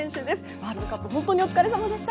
ワールドカップ、本当にお疲れさまでした！